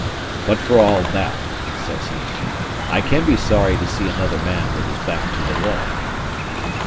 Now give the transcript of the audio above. "But, for all that," says he, "I can be sorry to see another man with his back to the wall."